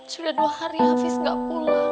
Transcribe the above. sudah dua hari hafiz nggak pulang